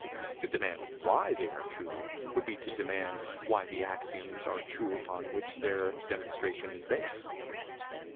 To demand why they are true, would be to demand why the axioms are true upon which their demonstration is based.